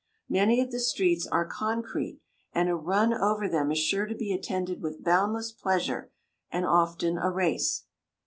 Many of the streets are "concrete," and a run over them is sure to be attended with boundless pleasure, and often a race.